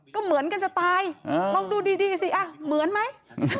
ก็เหมือนกันจะตายลองดูดีสิเหมือนไหม